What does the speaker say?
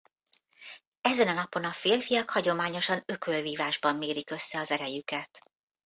Ezen a napon a férfiak hagyományosan ökölvívásban mérik össze az erejüket.